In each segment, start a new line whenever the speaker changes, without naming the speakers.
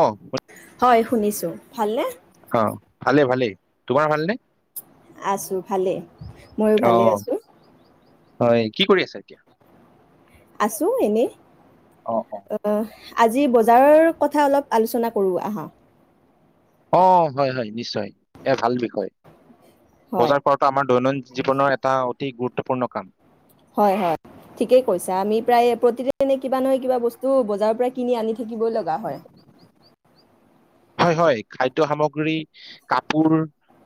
অ
শুনিছোঁ ভালনে
অ ভালে ভালে তোমাৰ ভালনে
আছোঁ ভালেই ময়ো
অ
ভালে আছোঁ
হয় কি কৰি আছ এতিয়া
আছো এনেই
অ অ
অহ আজি বজাৰৰ কথা অলপ আলোচনা কৰো আহা
অ হয় হয় নিশ্চয় এ ভাল বিষয়
হয়
বজাৰ কৰাটো আমাৰ দৈনন্দিন জীৱনৰ এটা অতি গুৰুত্ব গুৰুত্বপূৰ্ণ কাম
হয় হয় ঠিকেই কৈছা আমি প্ৰায় প্ৰতিদিনে কিবা নহয় কিবা বস্তু বজাৰৰ পৰা কিনি আনি দিব লগা হয়
হয় হয় খাদ্য সামগ্ৰী কাপোৰ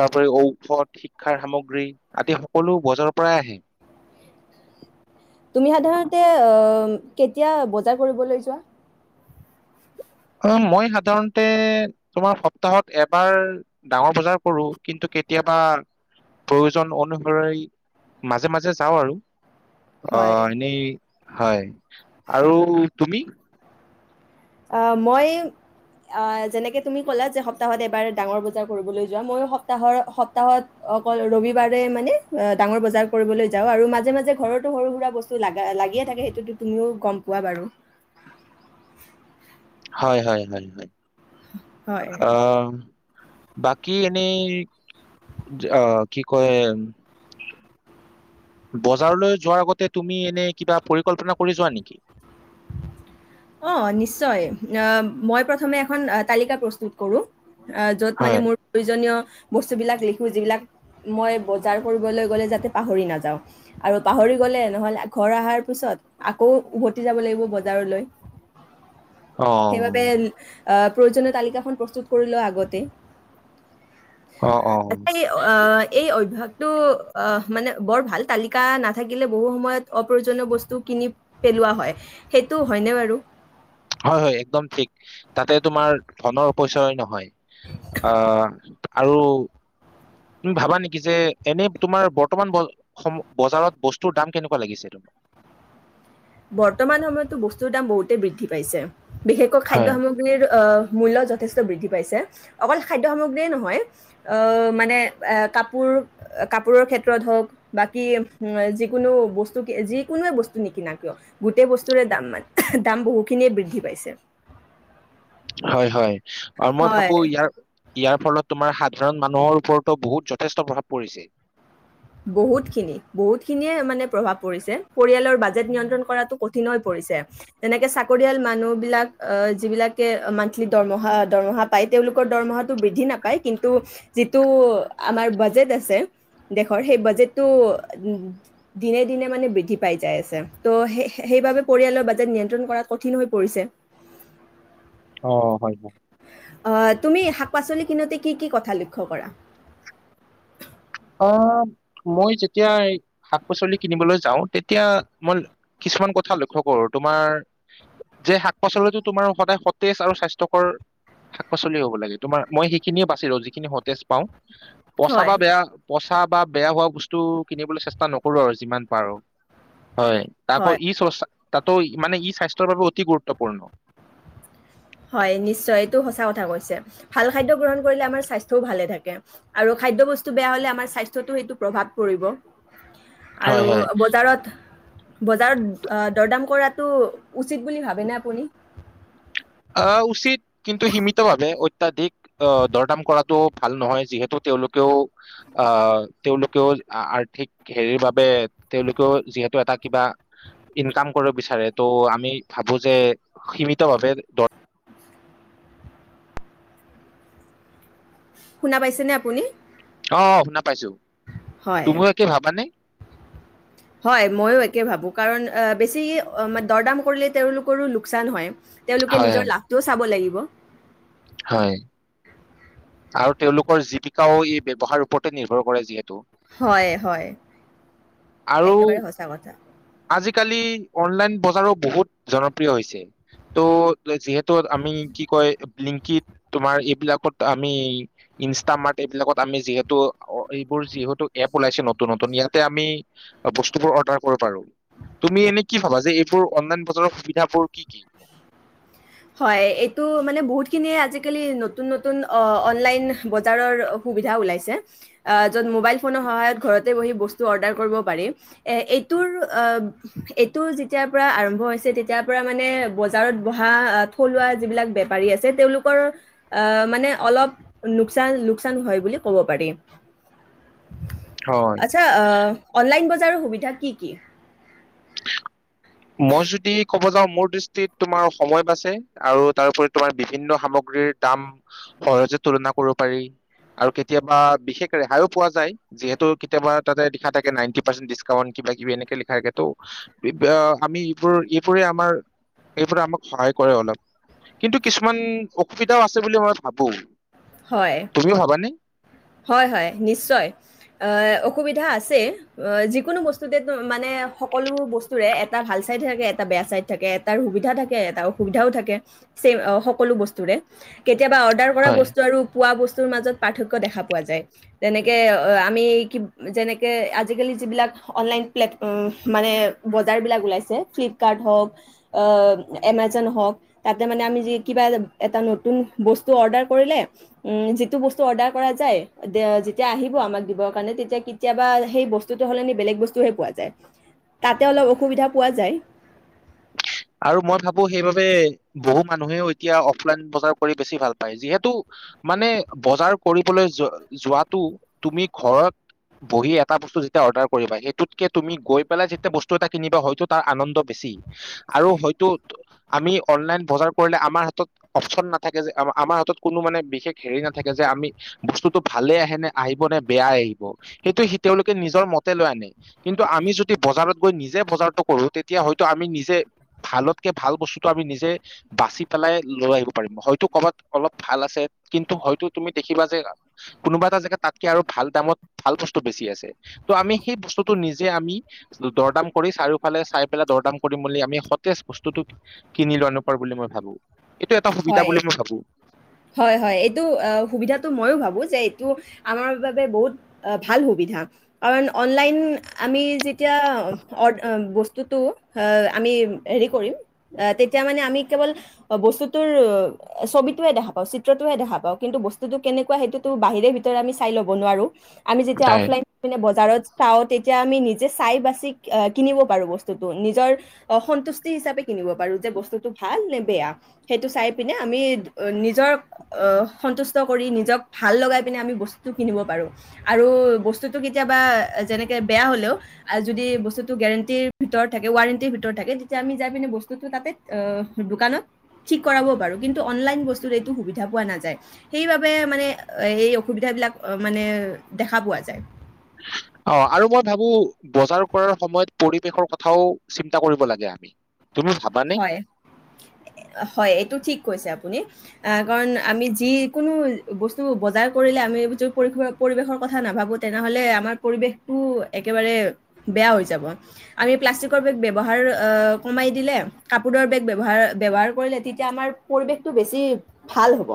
তাৰপৰি ঔষধ শিক্ষাৰ সামগ্ৰী আদি সকলো বজাৰৰ পৰাই আহে [unintelligible]
তুমি সাধাৰণতে কেতিয়া বজাৰ কৰিবলৈ যোৱা
অ মই সাধাৰণতে তোমাৰ সপ্তাহত এবাৰ ডাঙৰ বজাৰ কৰো কিন্তু কেতিয়াবা প্ৰয়োজন অনুসৰি মাজে মাজে যাওঁ আৰু [unintelligible] অ
হয়
এনেই হয় আৰু তুমি
মই যেনেকে তুমি ক'লা যে সপ্তাহত এবাৰ ডাঙৰ বজাৰ কৰিবলৈ যোৱা মই স্তাহত অকল ৰবিবাৰে মানে ডাঙৰ বজাৰ কৰিবলৈ যাওঁ আৰু মাজে মাজে ঘৰতো সৰু সুৰা বস্তু লাগে থাকে সেইটোতো তুমিও গম পোৱা বাৰু [unintelligible]
হয় হয় হয় হয়
হয়
আহ বাকী এনেই আহ কি কয় বজাৰলৈ যোৱাৰ আগতে তুমি এনে কিবা পৰিকল্পনা কৰি যোৱা নেকি?
অ নিশ্চয়। মই প্ৰথমে এখন তালিকা প্ৰস্তুত কৰো অ য'ত মানে
হয়,
মোৰ প্ৰয়োজনীয় বস্তুবিলাক লিখো যিবিলাক মই বজাৰ কৰিবলৈ গলে যাতে পাহৰি নাযাওঁ। আৰু পাহৰি গলে নহ'লে ঘৰ অহাৰ পিছত আকৌ উভতি যাব লাগিব বজাৰলৈ।
অ,
সেইবাবে প্ৰয়োজনীয় তালিকাখন প্ৰস্তুত কৰি লও আগতে।
অ, অ,
আচ এই আহ এই অভ্যাস অ মানে বৰ ভাল তালিকা নাথাকিলে বহু সময়ত অপ্ৰয়োজনীয় বস্তু কিনি পেলোৱা হয়। সেইটো হয়নে বাৰু? বু [inaudible]
হয়-হয় একদম ঠিক। তাতে তোমাৰ ধনৰপইচয় নহয়। আহ আৰু, ভাবা নেকি যে এনে তোমাৰ বৰ্তমান বজাৰত বস্তুৰ দাম কেনেকুৱা লাগিছে তোমাৰ?
বৰ্তমান সময়তো বস্তুৰ দাম বহুতেই বৃদ্ধি পাইছে। বিশেষকৈ
হয়,
খাদ্যয় সামগ্ৰীৰ আহ মূল্য যথেষ্ট বৃদ্ধি পাইছে অকল খাদ্য সামগ্ৰীয়ে নহয় মানে কাপোৰ -কাপোৰৰ ক্ষেত্ৰত হওক বাকী যিকোনো বস্তু যিকোনোৱে বস্তু নিকিনাক কিয় গোটেই বস্তুৰে দাম মান দাম বহুখিনিয়ে বৃদ্ধি পাইছে।
হয় হয়। আৰু মই
হয়,
ভাবো ইয়াৰ - ইয়াৰ ফলত তোমাৰ সাধাৰণ মানুহৰ ওপৰতো বহুত যথেষ্ট প্ৰভাৱ পৰিছে।
বহুতখিনি। বহুতখিনিয়ে মানে প্ৰভাৱ পৰিছে। পৰিয়ালৰ বাজেট নিয়ন্ত্ৰণ কৰাটো কঠিন হৈ পৰিছে। যেনেকে চাকৰিয়াল মানুহ বিলাক যিবিলাকে মান্থলি দৰমহা - দৰমহা পায় তেওঁলোকৰ দৰমহাটো বৃদ্ধি নাপায় কিন্তু যিটো আমাৰ বাজেট আছে দেশ শৰ সেই বাজেটটো দিনে দিনে মানে বৃদ্ধি পাই যাই আছে। ত' সে - সে - সেইবাবে পৰিয়ালৰ বাজেট নিয়ন্ত্ৰণ কৰাত কঠিন হৈ পৰিছে।
অ হয় হয়।
অ তুমি শাক পাচলি কিনোতে কি কি কথা লক্ষ্য কৰা?
অ মই যেতিয়াই শাক পাচলি কিনিবলৈ যাওঁ তেতিয়া মই কিছুমান কথা লক্ষ্য কৰো তোমাৰ যে শাক পাচলিটো তোমাৰ সদায় সতেজ আৰু স্বাস্থ্যকৰ শাক পাচলি হ'ব লাগে। তোমাৰ মই সেইখিনিয়ে বাচি লওঁ যিখিনি সতেজ পাওঁ। পচা
হয়,
বা বেয়া পচা বা বেয়া হোৱা বস্তু কিনিবলৈ চেষ্টা নকৰো আৰু যিমান পাৰো। হয়
হয়।
তাকৌ [unintelligible] তো মানে ই স্বাস্থ্যৰ বাবে অতি গুৰুত্বপূৰ্ণ।
হয় নিশ্চয়। এইটো সচ কথা কৈচে, ভাল খাদ্য গ্ৰহণ কৰিলে আমাৰ স্বাস্থঔ ভালে থাকে, আৰু খাদ্য বস্তু বেয়া হলে আমাৰ স্বাস্থ্যতটো এটো প্ৰভাৱ পৰিব। আৰু
হয় হয়
বজাৰত-বজাৰত দৰদাম কৰাতটো উচিত বুলি ভাবেনে আপুনি?
আহ উচিত। কিন্তু সীমিতভাৱে অত্যাধিক আহ দৰদাম কৰাটো ভাল নহয়, যিহেতু তেওঁলোকেও, আহ তেওঁলোকেও আৰ্থিক হেৰিৰ বাবে তেওঁলোকেও যিহেতু এটা কিবা ইনকাম কৰিব বিচাৰে ত' আমি ভাবো যে সীমিতভাৱে দৰ
শুনা পাইছেনে আপুনি?
অঁ শুনা পাইছো।
হয়।
তুমিও একে ভাবানে
হয় ময়ো একে ভাবো কাৰণ অ বেছি দৰদাম কৰিলে তেওঁলোকৰো লোকচান হয়। তেওঁলোকে
হয়
নিজৰ
হয়
লাভটোও চাব লাগিব। [inaudible]
হয়। আৰু তেওঁলোকৰ জীৱিকাও এই ব্যৱসায়ৰ ওপৰতে নিৰ্ভৰ কৰে যিহেতু
হয় হয়।
আৰু
একেবাৰে সঁচা কথা।
আজিকালি অনলাইন বজাৰো বহুত জনপ্ৰিয় হৈছে। ত' যিহেতু আমি কি কয় ব্লিঙ্কিত তোমাৰ এইবিলাকত আমি ইনষ্টামাৰ্ট এইবিলাকত আমি যিহেতু এইবোৰ যিহেতু এপ ওলাইছে নতুন নতুন ইয়াতে আমি বস্তুবোৰ অৰ্ডাৰ কৰিব পাৰো। তুমি এনে কি ভাবা যে এইবোৰ অনলাইন বজাৰৰ সুবিধ বোৰ কি? কি?
হয়। এইটো মানে বহুত খিনিয়ে আজিকালি নতুন নতুন অ - অনলাইন বজাৰৰ সুবিধা ওলাইছে, য'ত মোবাইল ফোনৰ সহায়ত ঘৰতে বহি বস্তু অৰ্ডাৰ কৰিব পাৰি। এ - এইটোৰ এইটো যেতিয়াৰ পৰা আৰম্ভ হৈছে তেতিয়াৰ পৰা মানে বজাৰত বহা আ - থলুৱা যিবিলাক বেপাৰী আছে তেওঁলোকৰ আ - মানে অলপ নুকচান - লোকচান হয় বুলি ক'ব পাৰি।
হয়
আচ্ছা অ অনলাইন ব সুবিধা কি কি?
মই যদি ক'ব যাওঁ মোৰ দৃষ্টিত তোমাৰ সময় বাচে আৰু তাৰপৰি তোমাৰ বিভিন্ন সামগ্ৰীৰ দাম সহজে তুলনা কৰিব পাৰি আৰু কেতিয়াবা বিশেষ ৰেহাইও পোৱা যায় যিহেতু কেতিয়াবা তাতে লিখা থাকে নাইনটি পাৰ্চেন্ট ডিচকাউন্ট কিবা কিবি এনেকে লিখা থাকে তো। আমি এইবোৰ এইবোৰে আমাৰ এইবোৰে আমাক সহায় কৰে অলপ কিন্তু কিছুমান অসুবিধাও আছে বুলি মই ভাবো।
হয়।
তুমিও ভাবানে?
হয় হয় নিশ্চয় আহ অসুবিধা আছে যিকোনো বস্তুতে মানে সকলো বস্তুৰে এটা ভাল চাইড থাকে এটা বেয়া চাইড থাকে এটাাৰ সুবিধা থাকে এটা অসুবিধাও থাকে চেম সকলো বস্তুৰে কেতিয়াবা অৰ্ডাৰ কৰা
হয়
বস্তু আৰু পোৱা বস্তু, তোৰ মাজত পাৰ্থক্য দেখাম। পোৱা যায় যেনেকে আমি কি যেনেকে আজিকালি যিবিলাক অনলাইন্ প্লেট উম মানে বজাৰবিলাক ওলাইছে ফ্লিপকাৰ্ট হওক এমেজন হওক তাতে মানে আমি যি কিবা এটা নতুন বস্তু অৰ্ডাৰ কৰিলে উম যিটো বস্তু অৰ্ডাৰ কৰা যায় যেতিয়া আহিব আমাক দিব কাৰণে তেতিয়া কেতিয়াবা সেই বস্তুটো হলে বেলেগ বস্তুহে পোৱা যায় তাতে অলপ অসুবিধা পোৱা যায়
আৰু মই ভাবো সেইবাবে বহু মানুহেও এতিয়া অফলাইন বজাৰ কৰি বেছি ভাল পায় যিহেতু মানে বজাৰ কৰিবলৈ যোৱাটো তুমি ঘৰত বহি এটা বস্তু যেতিয়া অৰ্ডাৰ কৰিবা সেইটোতকে তুমি গৈ পেলাই যেতিয়া বস্তু এটা কিনিবা হয়তো তাৰ আনন্দ বেছি। আৰু হয়তো আমি অনলাইন বজাৰ কৰিলে আমাৰ হাতত অপচন নাথাকে যে আমাৰ হাতত কোনো মানে বিশেষ হেৰি নাথাকে যে আমি বস্তুটো ভালে আহে নে আহিব নে বেয়াই আহিব সেইটো সি তেওঁলোকে নিজৰ মতে লৈ আনে কিন্তু আমি যদি বজাৰত গৈ নিজে বজাৰটো কৰো তেতিয়া হয়তো আমি নিজ জে ভালতকে ভাল বস্তুতটো আমি নিজে বাচি পেলাই লৈ আহিব পাৰিম হয়তো কৰ'বাত অলপ ভাল আছে কিন্তু হয়তো তুমি দেখিবা যে কোনোবা এটা জেগাত তাতকে আৰু ভাল দামত ভাল বস্তু বেছি আছে ত' আমি সেই বস্তুটো নিজে আমি দৰদাম কৰি চাৰিওফালে চাই পেলাই দৰদাম কৰিম বুলি আমি সতেজ বস্তুটোত কিনি লোৱা [unintelligible] বুলি মই ভাবো এইটো এটা সুবিধা
হয়
বুলি মই ভাবো
হয় হয় এইটো সুবিধাতটো মইো ভাবো যে টো আমাৰ বাবে বহুত ভাল সুবিধা কাৰণ অনলাইন আমি যি এতিয়া অৰ্ড উম বচ টোটো এ আমি হেৰি কৰিম এ তেতিয়া মানে আমি কেৱল অ বস্তুত তোৰ ছবিটোৱে দেখা পাও চিত্ৰতোৱে দেখা পাওঁ কিন্তু বস্তুতটো কেনেকুৱা সেইটোতো বাহিৰে ভিতৰে আমি চাই ল'ব নোৱাৰো, আমি যেতিয়া
হয়
অফলাইন মানে বজাৰত চাওঁ তে এতিয়া আমি নিজে চাই বাচি আহ কিনিব পাৰো বস্তুতটো নিজৰ অ সন্তুষ্টি হিচাপে কিনিব পাৰো যে বস্তুটো ভাল নে বেয়া? সেইটো চাই পিনে আমি নিজৰ অহ সন্তুষ্ট কৰি নিজক ভাল লগাই পিনে আমি বস্তুটো কিনিব পাৰো আৰু বস্তুটো কেতিয়াবা যেনেকে বেয়া হ'লেও যদি বস্তুটো গেৰেণ্টিৰ ভিতৰত থাকে ৱাৰেণ্টিৰ ভিতৰত থাকে তেতিয়া আমি যাই পিনে বস্তুটো তাতে অহ দোকানত ঠিক কৰাব পাৰো কিন্তু অনলাইন বস্তু এইটো সুবিধা পোৱা নাযায় সেইবাবে মানে এই অসুবিধাবিলাক মানে দেখা পোৱা যায়।
অ আৰু মই ভাবো বজাৰ কৰাৰ সময়ত পৰিৱেশৰ কথাও চিন্তা কৰিব লাগে আমি তুমি ভাবানে
হয় অ হয় এইটো ঠিক কৈছে আপুনি, এ কাৰণ আমি যি কোনো বস্তুবোৰ বজাৰ কৰিলে আমি যদি পৰি পৰিৱেশৰ কথা নাভাবো তেনেহলে আমাৰ পৰিৱেশটো একেবাৰে বেয়া হৈ যাব আমি প্লাষ্টিকৰ বেগ ব্যৱহাৰ অহ কমাই দিলে কাপোৰৰ বেগ ব্যৱহাৰ ব্যৱহাৰ কৰিলে তেতিয়া আমাৰ পৰিৱেশটো বেছি ভাল হ'ব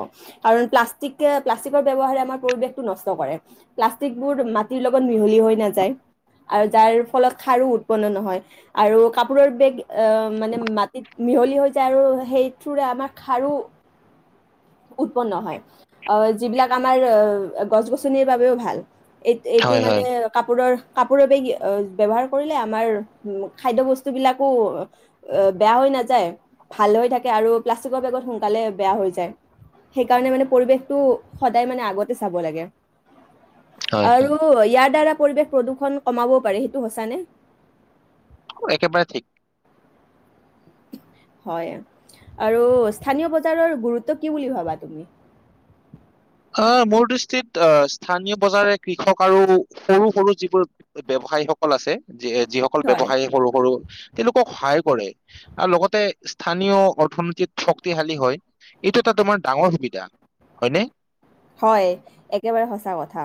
কাৰণ প্লাষ্টিকে প্লাষ্টিকৰ ব্যৱহাৰে আমাৰ পৰিৱেশটো নষ্ট কৰে প্লাষ্টিকবোৰ মাটিৰ লগত মিহলি হৈ নাযায় আৰু যাৰ ফলত খাৰো উৎপন্ন নহয় আৰু কাপোৰৰ বেগ অ মানে মাট মিহলি হৈ যায় আৰু সেই থ্ৰোৰে আমাৰ খাৰো উৎপন্ন হয় আহ যিবিলাক আমাৰ অ গছ গছনিৰ বাবেও ভাল এই এইটো
হয়
মানে
হয়
কাপোৰৰ কাপোৰৰ বেগ অ ব্যৱহাৰ কৰিলেও আমাৰ খাদ্য বস্তুবিলাকো এ বেয়া হৈ নাযায় ভাল হৈ থাকে আৰু প্লাষ্টিকৰ বেগত সোনকালে বেয়া হৈ যায় সেইকাৰণে মানে পৰিৱেশটো সদায় মানে আগতে চাব লাগে।
হয়
আৰু
হয়
ইয়াৰ দ্বাৰা পৰিৱেশ প্ৰদূষণ কমাব পাৰে সেইটো সঁচা নে?
একেবাৰে ঠিক
হয় আৰু স্থানীয় বজাৰৰ গুৰুত্ব কি বুলি ভাবা তুমি?
অ' মোৰ দৃষ্টিত অ' স্থানীয় বজাৰে কৃষক আৰু সৰু -সৰু যিবোৰ ব্যৱসায়ীসকল আছে যিসকল
হয়,
ব্যৱসায়ী সৰু -সৰু তেওঁলোকক সহায়। কৰে আৰু লগতে স্থানীয় অৰ্থনীতিত শক্তিশালী হয় এইটো এটা তোমাৰ ডাঙৰ সুবিধা হয়নে?
হয় একেবাৰে সঁচা কথা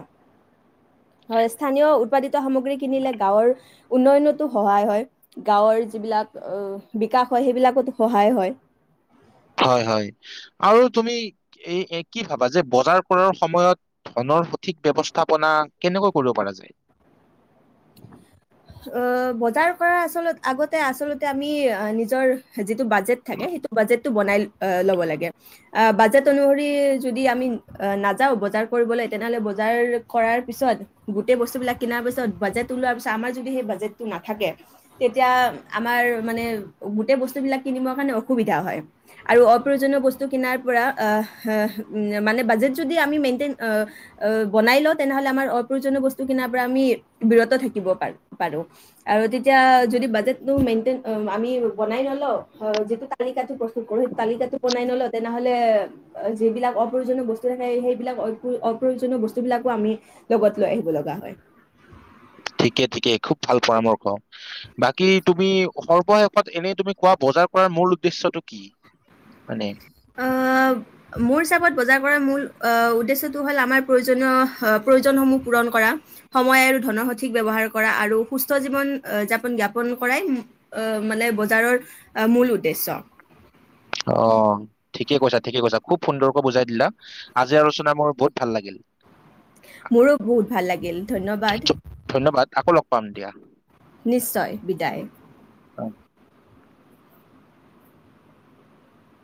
হয় স্থানীয় উৎপাদিত সামগ্ৰী কিনিলে গাঁৱৰ উন্নয়নতো সহায় হয়। গাঁৱৰ যিবিলাক, বিকাশ হয় সেইবিলাকতোঁ সহায় হয়।
হয়, হয়, আৰু তুমি এ, কি ভাবা যে বজাৰ কৰাৰ সময়ত, ধনৰ সঠিক ব্যৱস্থাপনা কেনেকৈ কৰিব পৰা যায়?
অ' বজাৰ কৰাৰ আচলত, আগতে আচলতে আমি নিজৰ বাজেট থাকে, সেইটো বাজেট টো বনাই অ ল'ব লাগে আহ বাজেট অনুসৰি যদি আমি বনাই ল'ব লাগে। অ'হ বাজেট অনুসৰি যদি আমি নাযাও বজাৰ কৰিবলৈ, তেনেহলে বজাৰ কৰাৰ পিছত, গোটেই বস্তুবিলাক কিনাৰ পিছত, বাজেট ওলোৱাৰ পিছত, আমাৰ যদি সেই বাজেটতো নাথাকে, তেতিয়া আমাৰ মানে গোটেই বস্তু বিলাক কিনিব কাৰনে অসুবিধা হয়। আৰু অপ্ৰয়োজনীয় বস্তু কিনাৰ পৰা অ'হ, হ', মানে বাজেট যদি আমি মেইনটেইন, অ'হ বনাই লওঁ, তেনেহলে আমাৰ অপ্ৰয়োজনীয় বস্তু কিনাৰ পৰা আমি বিৰত থাকিব পাৰি। পাৰোঁ। আৰু তেতিয়া, যদি বাজেটতো মেইনটেইন অ'হ আমি বনাই নলওঁ, যিটো তালিকাতো প্ৰস্তুত তালিকাটো বনাই নলওঁ, তেতিয়া নহ'লে যিবিলাক অপ্ৰয়োজনীয় বস্তু থাকে, সেইবিলাক অপ্ৰয়োজনীয় বস্তু বিলাকোঁ আমি লগত লৈ আহিব লগা হয়।
ঠিকে ঠিকে খুব ভাল পৰামৰ্শ। বাকী তুমি সৰ্বশেষত এনেই তুমি কোৱা বজাৰ কৰাৰ মূল উদ্দেশ্যটো কি মানে?
আহ মোৰ হিচাপত বজাৰ কৰাৰ মূল অ'হ উদ্দেশ্যয়টো হ'ল আমাৰ প্ৰয়োজনীয়, প্ৰয়োজনসমূহ পূৰণ কৰা। সময় আৰু ধনৰ সঠিক ব্যৱহাৰ কৰা, আৰু সুস্থ জীৱন যাপন, যাপন কৰাই অ'হ মানে বজাৰৰ মূল উদ্দেশ্য।
অ ঠিকে কৈছা, ঠিকে কৈছা, খুব সুন্দৰকৈ বুজাই দিলা। আজি আলোচনা কৰি মোৰ বহুত ভাল লাগিল।
মোৰোঁ বহুত ভাল লাগিল, ধন্যবাদ।
ধ- ধন্যবাদ আকৌ লগ পাম দিয়া।
নিশ্চয় বিদায়।